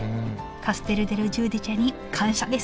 カステル・デル・ジューディチェに感謝です